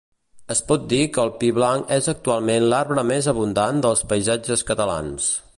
Es pot dir que el pi blanc és actualment l'arbre més abundant dels paisatges catalans.